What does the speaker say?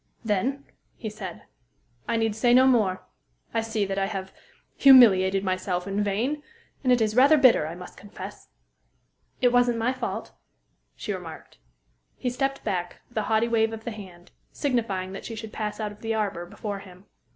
"Then," he said, "I need say no more. I see that I have humiliated myself in vain; and it is rather bitter, I must confess." "It wasn't my fault," she remarked. He stepped back, with a haughty wave of the hand, signifying that she should pass out of the arbor before him.